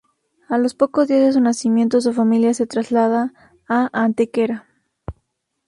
A los pocos días de su nacimiento su familia se traslada a Antequera.